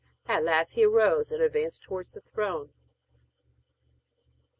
At last he arose, and advanced towards the throne.